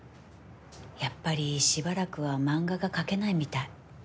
やっぱりしばらくは漫画が描けないみたい。